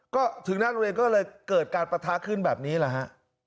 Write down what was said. ก็ถึงหน้าโรงเรียนก็เลยเกิดการปะทะขึ้นแบบนี้แหละฮะ